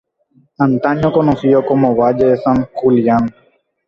Antaño conocido como "valle de San Julián".